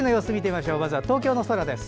まずは東京の空です。